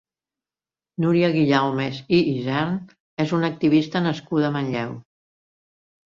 Núria Guillaumes i Isern és una activista nascuda a Manlleu.